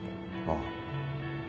ああ。